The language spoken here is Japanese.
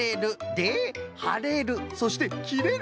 で「はれる」そして「きれる」。